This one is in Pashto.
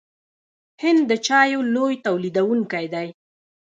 هند د چایو لوی تولیدونکی دی.